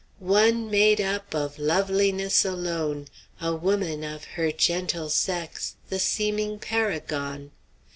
'One made up Of loveliness alone; A woman, of her gentle sex The seeming paragon.'